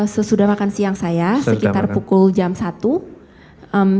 sesudah makan siang saya sekitar pukul jam satu